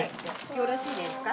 よろしいですか？